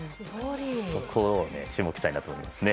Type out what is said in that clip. そこを注目したいと思います。